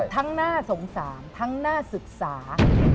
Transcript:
ทั้งหน้าสงสารทั้งหน้าศึกษา